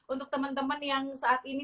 untuk teman teman yang saat ini